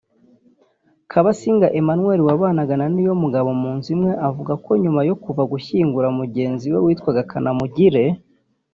Kabasinga Emmanuel wabanaga na Niyomugabo mu nzu imwe avuga ko nyuma yo kuva gushyingura mugenzi we witwa Kanamugire